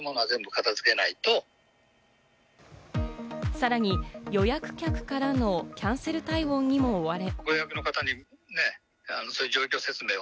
さらに予約客からのキャンセル対応にも追われ。